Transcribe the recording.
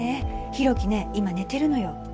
広樹ね今寝てるのよ